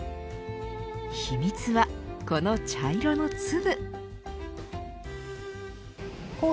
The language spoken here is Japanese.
秘密はこの茶色の粒。